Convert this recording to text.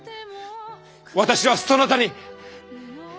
私はそなたに！